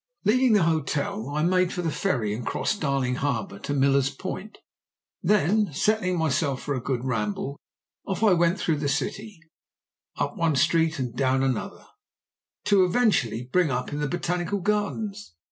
"Leaving the hotel I made for the ferry and crossed Darling Harbour to Millers Point; then, setting myself for a good ramble, off I went through the city, up one street and down another, to eventually bring up in the botanical gardens.